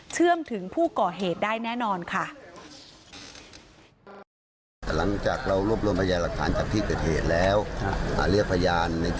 เชื่อมถึงผู้ก่อเหตุได้แน่นอนค่ะ